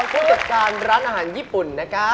สวัสดีครับผู้จัดการร้านอาหารญี่ปุ่นนะครับ